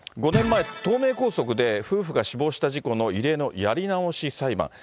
５年前、東名高速で夫婦が死亡した事故の異例のやり直し裁判。